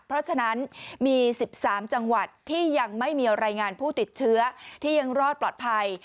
เพราะฉะนั้นมี๑๓จังหวัดที่ยังไม่มีรายงานผู้ติดเชื้อที่ยังรอดปลอดภัย